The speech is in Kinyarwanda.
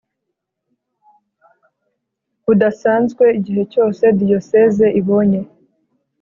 budasanzwe igihe cyose Diyoseze ibonye